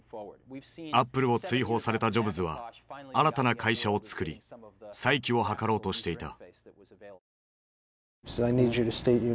アップルを追放されたジョブズは新たな会社をつくり再起を図ろうとしていた。